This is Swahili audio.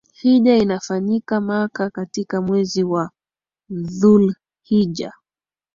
hijja inafanyika maka katika mwezi wa dhulhija